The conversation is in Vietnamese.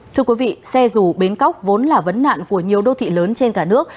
thưa quý vị xe dù bến cóc vốn là vấn nạn của nhiều đô thị lớn trên cả nước